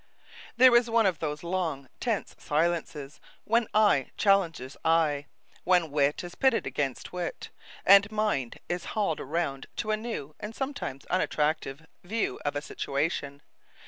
There was one of those long tense silences when eye challenges eye, when wit is pitted against wit, and mind is hauled around to a new, and sometimes unattractive, view of a situation.